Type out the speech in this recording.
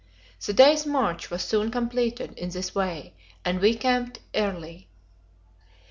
The day's march was soon completed in this way, and we camped early.